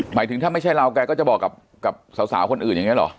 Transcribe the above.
หมายถึงถ้าไม่ใช่เราแกก็จะบอกกับสาวคนอื่นอย่างนี้เหรอ